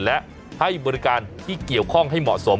และให้บริการที่เกี่ยวข้องให้เหมาะสม